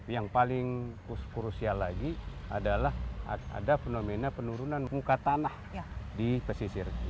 yang paling krusial lagi adalah ada fenomena penurunan muka tanah di pesisir